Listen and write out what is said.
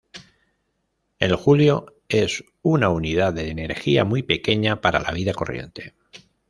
El julio es una unidad de energía muy pequeña para la vida corriente.